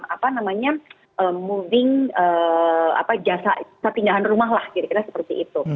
apa namanya moving jasa perpindahan rumah lah kira kira seperti itu